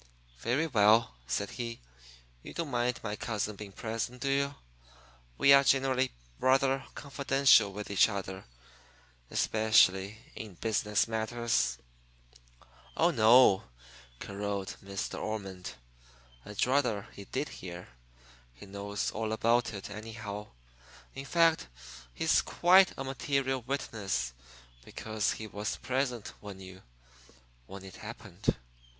"Very well," said he. "You don't mind my cousin being present, do you? We are generally rather confidential with each other especially in business matters." "Oh no," caroled Miss De Ormond. "I'd rather he did hear. He knows all about it, anyhow. In fact, he's quite a material witness because he was present when you when it happened.